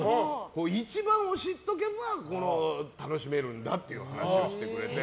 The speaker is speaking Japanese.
１番を知っておけば楽しめるんだっていう話をしてくれて。